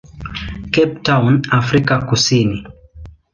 Cape Town, Afrika Kusini.